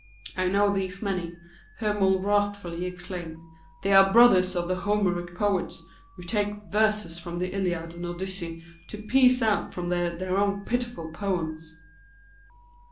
"I know these many," Hermon wrathfully exclaimed. "They are the brothers of the Homeric poets, who take verses from the Iliad and Odyssey to piece out from them their own pitiful poems."